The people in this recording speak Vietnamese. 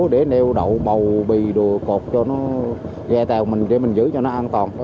để nêu đậu bầu bì đùa cột cho nó ghe tàu mình để mình giữ cho nó an toàn